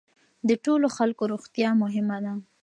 د ټولو خلکو روغتیا مهمه ده.